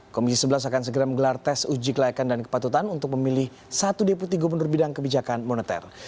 komisi sebelas akan segera menggelar tes uji kelayakan dan kepatutan untuk memilih satu deputi gubernur bidang kebijakan moneter